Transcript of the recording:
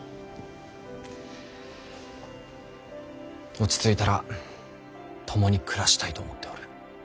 落ち着いたら共に暮らしたいと思っておる。